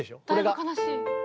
だいぶ悲しい。